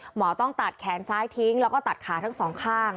หมอต้องตัดแขนซ้ายทิ้งแล้วก็ตัดขาทั้งสองข้าง